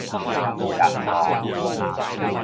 愣路